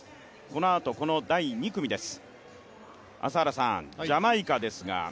このあと第２組です。